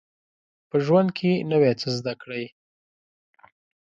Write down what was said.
په ژوند کي نوی څه زده کړئ